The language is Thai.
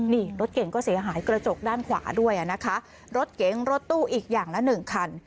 นี่รถเก่งก็เสียหายกระจกด้านขวาด้วยนะคะรถเก๋งรถตู้อีกอย่างละหนึ่งคัน